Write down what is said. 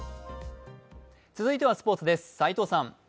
続いてはスポーツです。